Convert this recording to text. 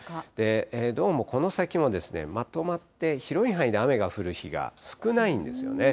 どうもこの先も、まとまって広い範囲で雨が降る日が少ないんですよね。